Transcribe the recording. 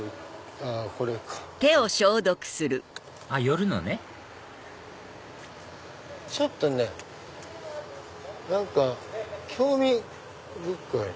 あっ寄るのねちょっとね何か興味深い。